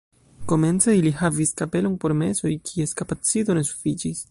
Komence ili havis kapelon por mesoj, kies kapacito ne sufiĉis.